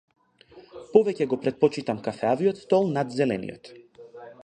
Повеќе го претпочитам кафеавиот стол над зелениот.